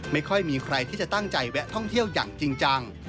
ไม่ค่อยมีใครที่จะตั้งใจแวะท่องเที่ยวอย่างจริงจัง